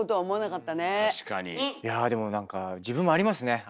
いやでも何か自分もありますね。